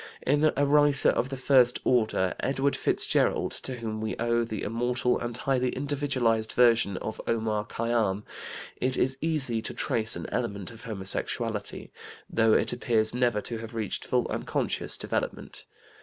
In a writer of the first order, Edward Fitzgerald, to whom we owe the immortal and highly individualized version of Omar Khayyam, it is easy to trace an element of homosexuality, though it appears never to have reached full and conscious development.